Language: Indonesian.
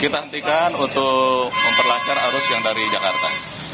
kita hentikan untuk memperlakar arus yang dari jakarta